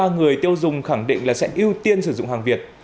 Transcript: sáu mươi ba người tiêu dùng khẳng định là sẽ ưu tiên sử dụng hàng việt